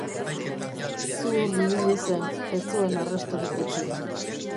Zuhur ibili zen, ez zuen arrastorik utzi.